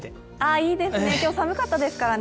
いいですね、今日、寒かったですからね。